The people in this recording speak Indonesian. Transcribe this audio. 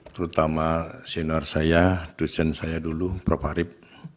terutama senior saya dosen saya dulu prof arief